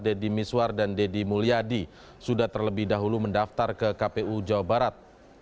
deddy miswar dan deddy mulyadi sudah terlebih dahulu mendaftar ke kpu jawa barat